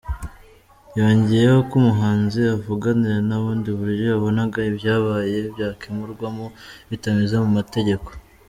" Yongeyeho ko umuhanzi avuganira nta bundi buryo yabonaga ibyabaye byakemurwamo bitanyuze mu mategeko.